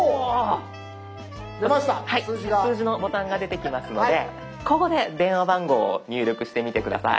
数字のボタンが出てきますのでここで電話番号を入力してみて下さい。